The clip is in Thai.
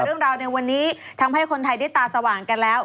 เรื่องราวในวันนี้ทำให้คนไทยได้ตาสว่างกันแล้ว